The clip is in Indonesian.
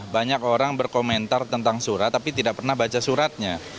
banyak orang berkomentar tentang surat tapi tidak pernah baca suratnya